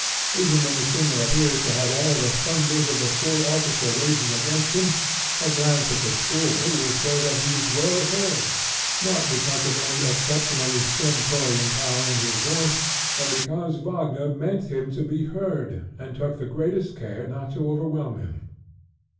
Even when the singer appears to have all the thunders of the full orchestra raging against him, a glance at the score will show that he is well heard, not because of any exceptionally stentorian power in his voice, but because Wagner meant him to be heard and took the greatest care not to overwhelm him.